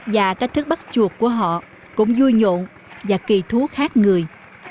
và cách thức bắt chuột của họ cũng vui nhộn và kỳ thú khác người